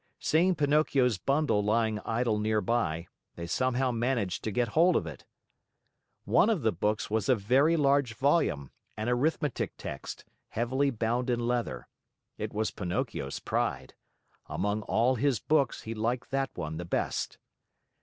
Seeing Pinocchio's bundle lying idle near by, they somehow managed to get hold of it. One of the books was a very large volume, an arithmetic text, heavily bound in leather. It was Pinocchio's pride. Among all his books, he liked that one the best.